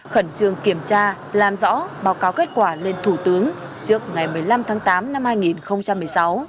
khẩn trương kiểm tra làm rõ báo cáo kết quả lên thủ tướng trước ngày một mươi năm tháng tám năm hai nghìn một mươi sáu